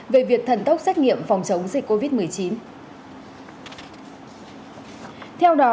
về việc thần tốc xét nghiệm phòng chống dịch covid một mươi chín